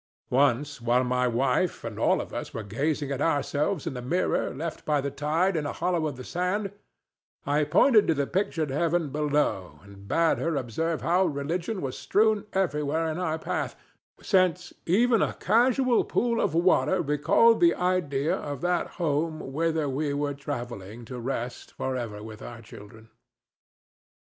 Once, while my wife and all of us were gazing at ourselves in the mirror left by the tide in a hollow of the sand, I pointed to the pictured heaven below and bade her observe how religion was strewn everywhere in our path, since even a casual pool of water recalled the idea of that home whither we were travelling to rest for ever with our children.